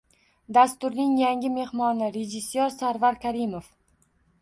Dasturning yangi mehmoni - rejissyor Sarvar Karimov